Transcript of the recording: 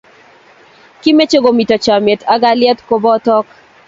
Kimeche komito chomiet ak kalyet kubotok